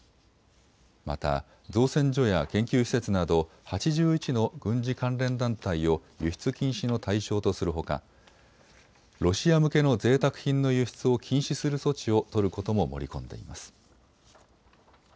また、造船所や研究施設など８１の軍事関連団体を輸出禁止の対象とするほかロシア向けのぜいたく品の輸出を禁止する措置を取ることも盛り込んでいます。